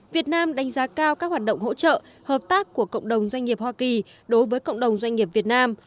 việt nam đánh giá cao các hoạt động hỗ trợ hợp tác của cộng đồng doanh nghiệp hoa kỳ đối với cộng đồng doanh nghiệp việt nam